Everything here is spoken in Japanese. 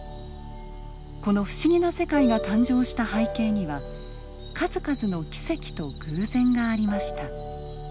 この不思議な世界が誕生した背景には数々の奇跡と偶然がありました。